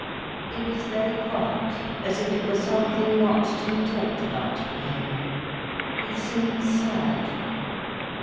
He was very quiet, as if it were something not to be talked about by him. He seemed sad.